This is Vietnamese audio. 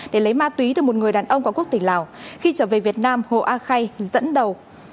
để lấy ma túy từ một người đàn ông của quốc tỉnh lào khi trở về việt nam hồ a khay dẫn đầu